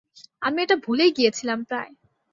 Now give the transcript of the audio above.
আমি এটা ভুলেই গিয়েছিলাম প্রায়।